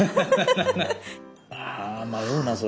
あ迷うなそれ。